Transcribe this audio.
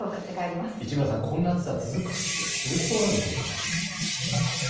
市村さん、こんな暑さ、続きそうなんでしょうか。